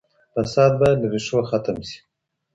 فساد بايد له ريښو ختم سي.